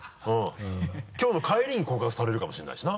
きょうの帰りに告白されるかもしれないしな。